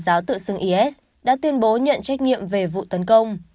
giáo tự xưng is đã tuyên bố nhận trách nhiệm về vụ tấn công